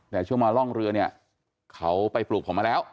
แต่ช่วงมาร่องเรือเนี่ยเขาไปปลูกผมมาแล้ว